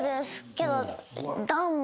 けど。